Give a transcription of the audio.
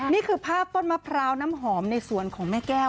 นี่คือภาพต้นมะพร้าวน้ำหอมในสวนของแม่แก้ว